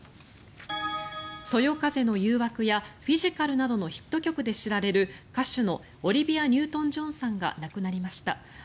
「そよ風の誘惑」や「フィジカル」などのヒット曲で知られる歌手のオリビア・ニュートン・ジョンさんが亡くなりました。